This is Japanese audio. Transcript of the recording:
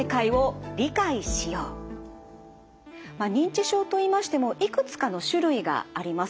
まあ認知症といいましてもいくつかの種類があります。